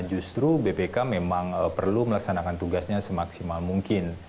justru bpk memang perlu melaksanakan tugasnya semaksimal mungkin